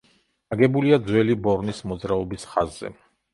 აგებულია ძველი ბორნის მოძრაობის ხაზზე.